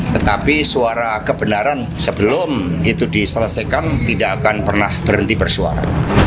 tetapi suara kebenaran sebelum itu diselesaikan tidak akan pernah berhenti bersuara